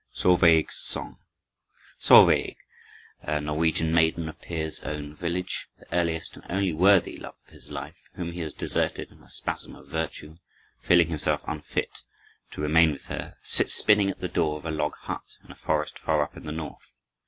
6. Solveig's Song Solveig, a Norwegian maiden of Peer's own village, the earliest and only worthy love of his life, whom he has deserted in a spasm of virtue, feeling himself unfit to remain with her, sits spinning at the door of a log hut, in a forest far up in the North.